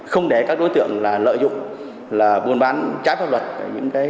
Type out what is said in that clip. không để các đối tượng lợi dụng buôn bán trái pháp luật những tiền chất này